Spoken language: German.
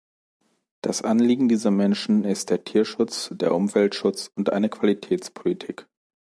Das Anliegen dieser Menschen ist der Tierschutz, der Umweltschutz und eine Qualitätspolitik.